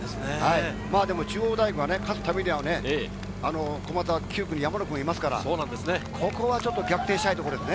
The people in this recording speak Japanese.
中央大学は、勝つためには駒澤、９区に山野君がいますから、ここはちょっと逆転したいところですね。